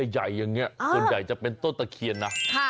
ใหญ่อย่างนี้ส่วนใหญ่จะเป็นต้นตะเคียนนะ